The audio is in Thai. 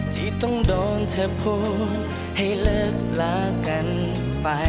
ที่ต้องโดนเธอภูมิให้เลิกลากันไป